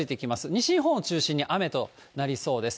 西日本を中心に雨となりそうです。